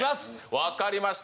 わかりました